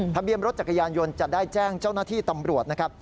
ทะเบียนรถจักรยานยนต์จะได้แจ้งเจ้าหน้าที่ตำรวจนะครับ